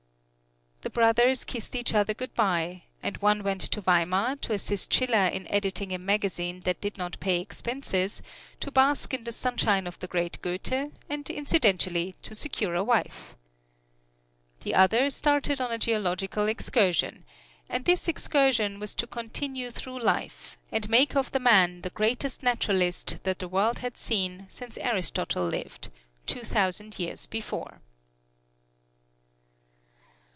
The brothers kissed each other good by, and one went to Weimar to assist Schiller in editing a magazine that did not pay expenses, to bask in the sunshine of the great Goethe, and incidentally to secure a wife. The other started on a geological excursion, and this excursion was to continue through life, and make of the man the greatest naturalist that the world had seen since Aristotle lived, two thousand years before.